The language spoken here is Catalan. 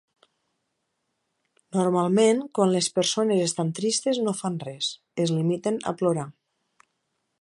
Normalment quan les persones estan tristes no fan res, es limiten a plorar.